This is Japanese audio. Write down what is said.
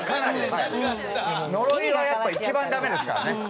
呪いはやっぱり一番ダメですからね。